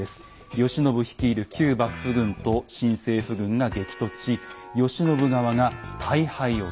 慶喜率いる旧幕府軍と新政府軍が激突し慶喜側が大敗を喫する。